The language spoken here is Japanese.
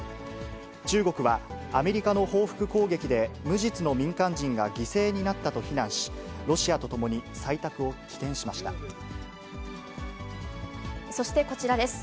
中国は、アメリカの報復攻撃で、無実の民間人が犠牲になったと非難し、ロシアと共に、そしてこちらです。